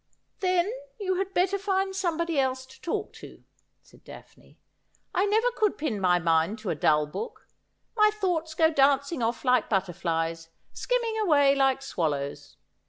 ' Then you had better find somebody else to talk to,' said Daphne. ' I never could pin my mind to a dull book ; my thoughts go dancing ofE like butterflies, skimming away like swallows.